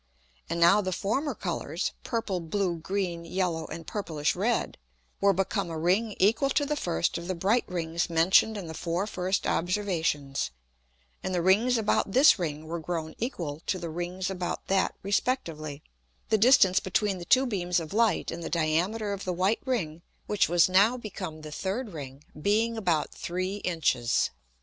And now the former Colours (purple, blue, green, yellow, and purplish red) were become a Ring equal to the first of the bright Rings mentioned in the four first Observations, and the Rings about this Ring were grown equal to the Rings about that respectively; the distance between the two beams of Light and the Diameter of the white Ring (which was now become the third Ring) being about 3 Inches.